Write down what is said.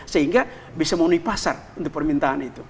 sehingga bisa memenuhi pasar untuk permintaan itu